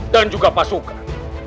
dan juga pasukan